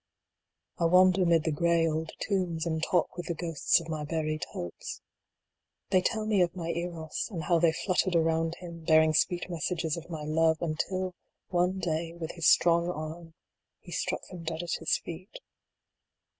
1 wander mid the gray old tombs, and talk with the ghosts of my buried hopes. They tell me of my Eros, and how they fluttered around him, bearing sweet messages of my love, until one day, with his strong arm, he struck them dead at his feet.